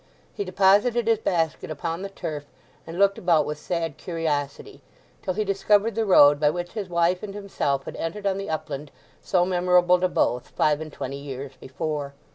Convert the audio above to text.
He deposited his basket upon the turf, and looked about with sad curiosity; till he discovered the road by which his wife and himself had entered on the upland so memorable to both, five and twenty years before.